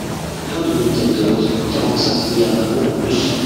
Fin deux mille quatorze, quarante-cinq milliards d’impôts en plus.